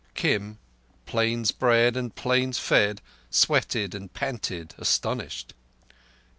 Kim, plains bred and plains fed, sweated and panted astonished.